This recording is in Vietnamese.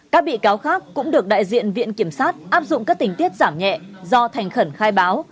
các bị cáo khác cũng được đại diện viện kiểm sát áp dụng các tình tiết giảm nhẹ do thành khẩn khai báo